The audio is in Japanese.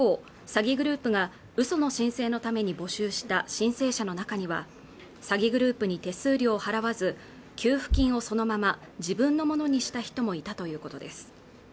詐欺グループが嘘の申請のために募集した申請者の中には詐欺グループに手数料を払わず給付金をそのまま自分のものにした人もいたということです